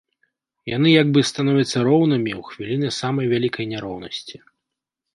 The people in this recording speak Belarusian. Яны як бы становяцца роўнымі ў хвіліны самай вялікай няроўнасці.